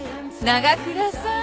長倉さん。